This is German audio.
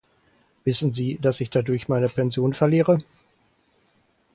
Wissen Sie, dass ich dadurch meine Pension verliere?